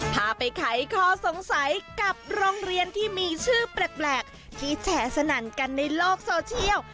พาไปไขข้อสงสัยกับโรงเรียนที่มีชื่อแปลกที่แฉสนั่นกันในโลกโซเชียล